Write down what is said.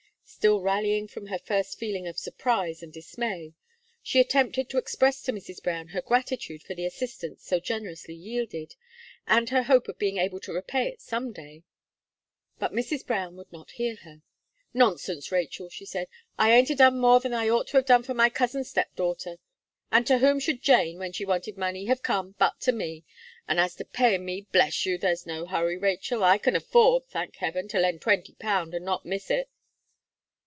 Still, rallying from her first feeling of surprise and dismay, she attempted to express to Mrs. Brown her gratitude for the assistance so generously yielded, and her hope of being able to repay it some day; but Mrs. Brown would not hear her. "Nonsense, Rachel," she said, "I ain't a done more than I ought to have done for my cousin's step daughter. And to whom should Jane, when she wanted money, have come, but to me? And as to paying me, bless you! there's no hurry, Rachel. I can afford, thank Heaven, to lend twenty pound, and not miss it."